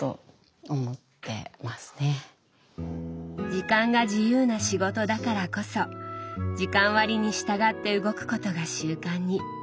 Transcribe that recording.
時間が自由な仕事だからこそ時間割に従って動くことが習慣に。